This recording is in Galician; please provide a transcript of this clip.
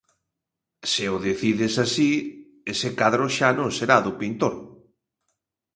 Se o decides así, ese cadro xa non será do pintor.